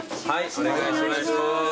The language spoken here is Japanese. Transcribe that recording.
お願いします。